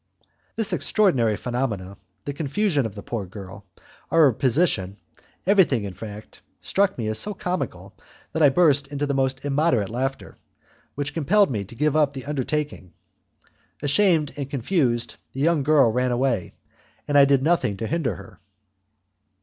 This extraordinary phenomenon, the confusion of the poor girl, our position everything, in fact, struck me as so comical, that I burst into the most immoderate laughter, which compelled me to give up the undertaking. Ashamed and confused, the young girl ran away, and I did nothing to hinder her.